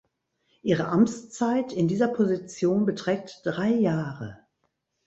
Ihre Amtszeit in dieser Position beträgt drei Jahre.